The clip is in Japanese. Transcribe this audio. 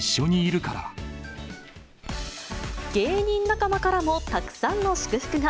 芸人仲間からもたくさんの祝福が。